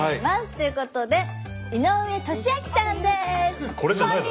ということで井上利明さんです。